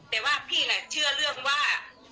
แต่ว่าพี่เชื่อเรื่องว่า